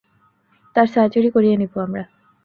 তার সার্জারি করিয়ে নিব আমরা।